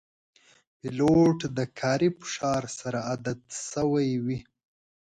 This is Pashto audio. پیلوټ د کاري فشار سره عادت شوی وي.